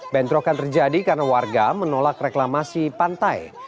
bentrokan terjadi karena warga menolak reklamasi pantai